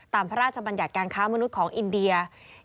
พระราชบัญญัติการค้ามนุษย์ของอินเดีย